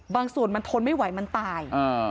บางส่วนมันทนไม่ไหวมันตาย